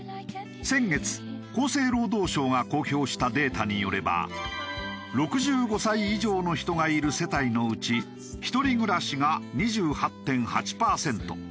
先月厚生労働省が公表したデータによれば６５歳以上の人がいる世帯のうち一人暮らしが２８．８パーセント。